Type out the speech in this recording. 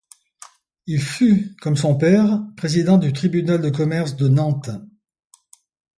Il fut, comme son père, président du tribunal de commerce de Nantes.